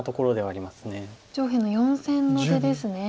上辺の４線の出ですね。